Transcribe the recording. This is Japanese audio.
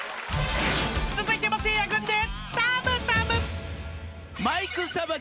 ［続いてもせいや軍で］